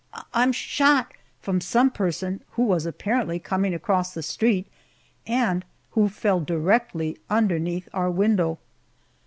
I'm shot!" from some person who was apparently coming across the street, and who fell directly underneath our window.